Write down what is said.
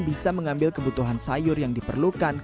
bisa mengambil kebutuhan sayur yang diperlukan